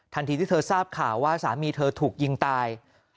ที่เธอทราบข่าวว่าสามีเธอถูกยิงตาย